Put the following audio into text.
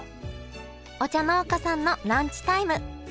お茶農家さんのランチタイム。